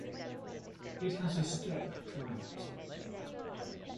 It has a steppe climate.